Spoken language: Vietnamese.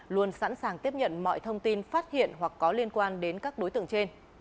luôn sẵn sàng tiếp nhận mọi thông tin phát hiện hoặc có liên quan đến các đối tượng trên